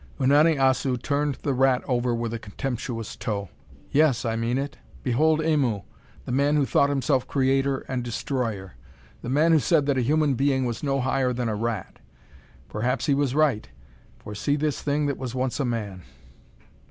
Unani Assu turned the rat over with a contemptuous toe. "Yes, I mean it. Behold Aimu, the man who thought himself creator and destroyer the man who said that a human being was no higher than a rat! Perhaps he was right, for see this thing that was once a man!"